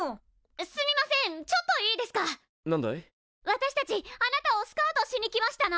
私たちあなたをスカウトしに来ましたの。